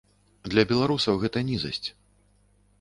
Для беларусаў гэта нізасць.